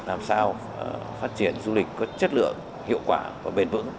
làm sao phát triển du lịch có chất lượng hiệu quả và bền vững